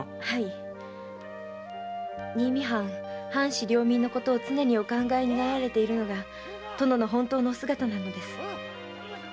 はい新見藩藩士領民のことを常にお考えになられているのが殿の本当のお姿なのです。